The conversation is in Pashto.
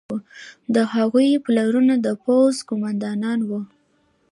د هغوی پلرونه د پوځ قوماندانان وو.